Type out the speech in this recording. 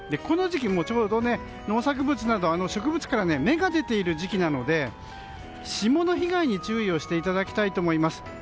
この時期、ちょうど農作物など植物から芽が出ている時期なので霜の被害に注意をしていただきたいと思います。